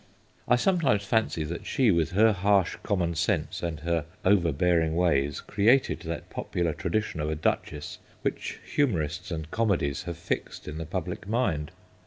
I sometimes fancy that she, with her harsh common sense and her overbearing ways, created that popular tradition of a duchess which humorists and comedies hare fixed in the public mind.